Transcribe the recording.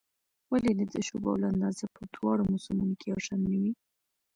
ولې د تشو بولو اندازه په دواړو موسمونو کې یو شان نه وي؟